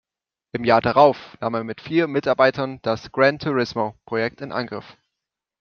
Im Jahr darauf nahm er mit vier Mitarbeitern das „Gran Turismo“-Projekt in Angriff.